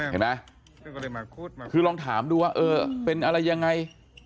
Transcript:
เห็นไหมคือลองถามดูว่าเออเป็นอะไรยังไง